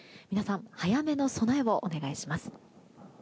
皆さん、早めの備えをお願いします。